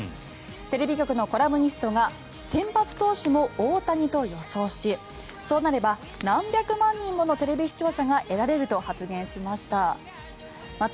テレビ局のコラムニストが先発投手も大谷と予想しそうなれば何百万人ものテレビ視聴者が得られると発言しました。